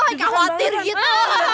hanya khawatir gitu